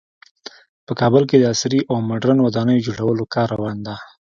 په کابل کې د عصري او مدرن ودانیو جوړولو کار روان ده